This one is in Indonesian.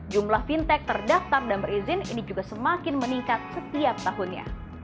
jumlah fintech terdaftar dan berizin ini juga semakin meningkat setiap tahunnya